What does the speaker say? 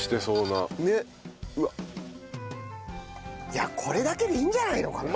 いやこれだけでいいんじゃないのかな？